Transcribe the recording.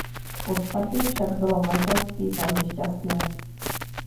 Po svatbě však bylo manželství velmi šťastné.